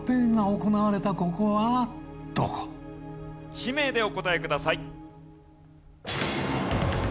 地名でお答えください。